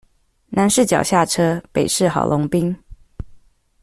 南勢角下車，北市郝龍斌